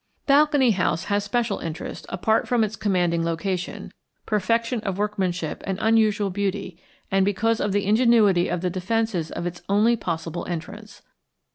Balcony House has special interest, apart from its commanding location, perfection of workmanship and unusual beauty, and because of the ingenuity of the defenses of its only possible entrance.